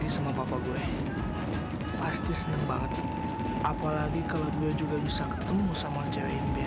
sampai jumpa di video selanjutnya